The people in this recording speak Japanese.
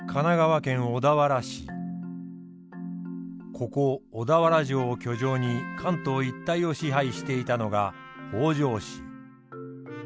ここ小田原城を居城に関東一帯を支配していたのが北条氏。